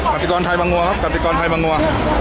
กติกรไทยบางวัวครับกติกรไทยบางวัว